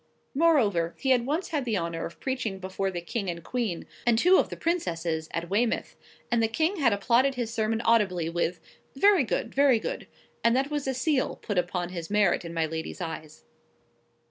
Moreover, he had once had the honour of preaching before the King and Queen, and two of the Princesses, at Weymouth; and the King had applauded his sermon audibly with,—"Very good; very good;" and that was a seal put upon his merit in my lady's eyes.